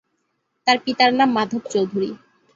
তার পিতার নাম মাধব চৌধুরী।